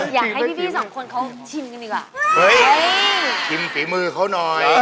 อยากให้พี่๒คนเขาชิมอีกก่อน